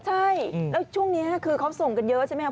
ใช่แล้วช่วงนี้คือเขาส่งกันเยอะใช่ไหมครับ